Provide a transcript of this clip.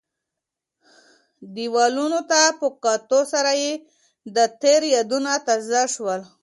دیوالونو ته په کتو سره یې د تېر یادونه تازه شول.